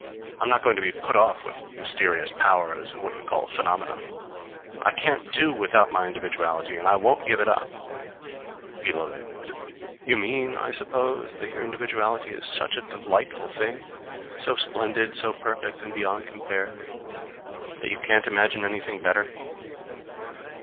I'm not going to be put off with 'mysterious powers,' and what you call 'phenomena.' I can't do without my individuality, and I won't give it up. Philalethes. You mean, I suppose, that your individuality is such a delightful thing, so splendid, so perfect, and beyond compare that you can't imagine anything better.